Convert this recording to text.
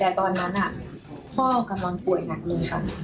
แต่ตอนนั้นพ่อกำลังป่วยหนักเลยค่ะ